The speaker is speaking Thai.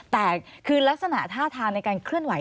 แต่คือลักษณะท่าทางในการเคลื่อนไห